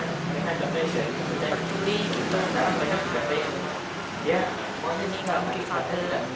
mungkin kan harus